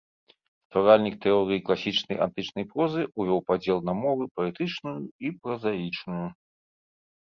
Стваральнік тэорыі класічнай антычнай прозы, увёў падзел на мовы паэтычную і празаічную.